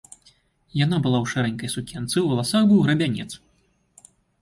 Яна была ў шэранькай сукенцы, у валасах быў грабянец.